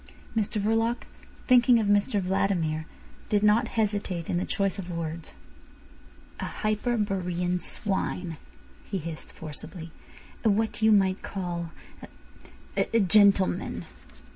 Mr Verloc, thinking of Mr Vladimir, did not hesitate in the choice of words. "A Hyperborean swine," he hissed forcibly. "A what you might call a—a gentleman."